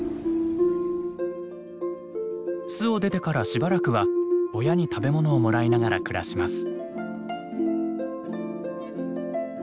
巣を出てからしばらくは親に食べ物をもらいながら暮らします。